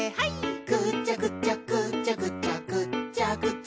「ぐちゃぐちゃぐちゃぐちゃぐっちゃぐちゃ」